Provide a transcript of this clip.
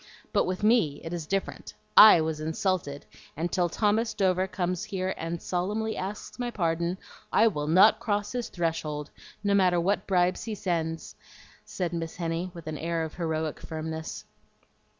But with me it is different. I was insulted, and till Thomas Dover comes here and solemnly asks my pardon I will NOT cross his threshold, no matter what bribes he sends," said Miss Henny, with an air of heroic firmness.